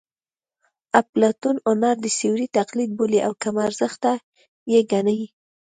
اپلاتون هنر د سیوري تقلید بولي او کم ارزښته یې ګڼي